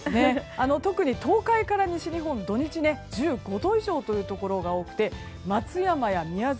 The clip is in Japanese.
特に東海から西日本土日１５度以上というところが多くて松山や宮崎